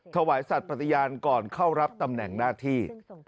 ถวายสัตว์ปฏิญาณก่อนเข้ารับตำแหน่งหน้าที่